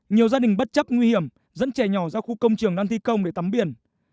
nhiều gia đình bất chấp nguy hiểm dẫn trẻ nhỏ ra khu công trường đang thi công để tắm biển